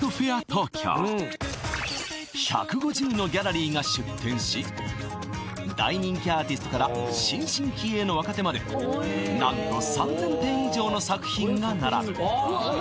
東京１５０のギャラリーが出展し大人気アーティストから新進気鋭の若手までなんと３０００点以上の作品が並ぶ